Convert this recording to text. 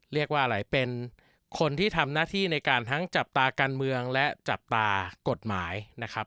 เรียกว่าอะไรเป็นคนที่ทำหน้าที่ในการทั้งจับตาการเมืองและจับตากฎหมายนะครับ